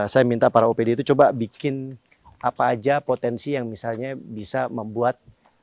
saya minta para opd itu coba bikin apa aja potensi yang misalnya bisa membuat